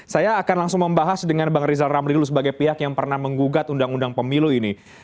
saya akan langsung membahas dengan bang rizal ramli dulu sebagai pihak yang pernah menggugat undang undang pemilu ini